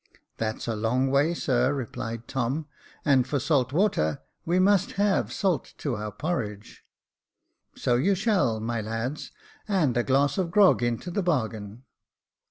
"That's a long way, sir," replied Tom; "and for salt water, we must have salt to our porridge." " So you shall, my lads, and a glass of grog into the bargain."